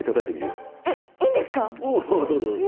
うんどうぞどうぞ。